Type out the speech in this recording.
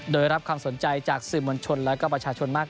โดยรับความสนใจจากสื่อมวลชนและก็ประชาชนมาก